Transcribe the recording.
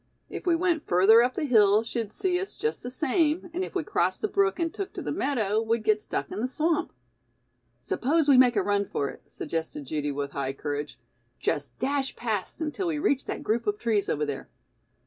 "If we went further up the hill, she'd see us just the same and if we crossed the brook and took to the meadow, we'd get stuck in the swamp." "Suppose we make a run for it," suggested Judy with high courage. "Just dash past until we reach that group of trees over there."